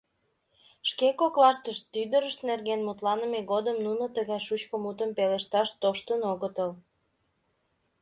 Шке коклаштышт ӱдырышт нерген мутланыме годым нуно тыгай шучко мутым пелешташ тоштын огытыл.